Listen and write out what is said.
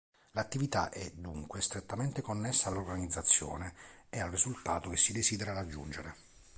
L'attività è, dunque, strettamente connessa all’organizzazione e al risultato che si desidera raggiungere.